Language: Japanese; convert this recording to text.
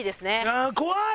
ああ怖い！